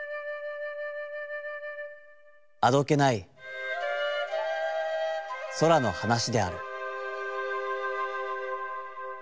あどけない空の話である」。